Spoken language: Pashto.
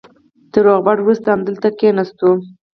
تر روغبړ وروسته همدلته کېناستو.